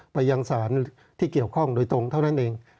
ไปยังศาลที่เกี่ยวข้องโดยตรงเท่านั้นเอง